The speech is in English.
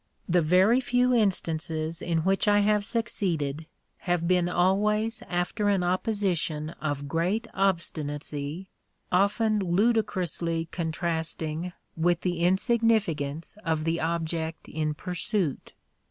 The very few instances in which I have succeeded, have been always after an opposition of great obstinacy, often ludicrously contrasting with the insignificance of the object in pursuit.